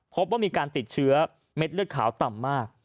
พบว่ามีการติดเชื้อเม็ดเลือดขาวต่ำมาก